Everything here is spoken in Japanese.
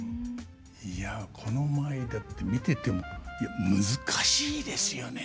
いやこの舞だって見ててもいや難しいですよね。